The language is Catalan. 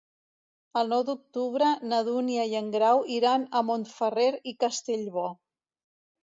El nou d'octubre na Dúnia i en Grau iran a Montferrer i Castellbò.